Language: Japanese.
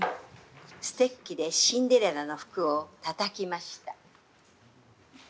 ステッキでシンデレラの服をたたきました。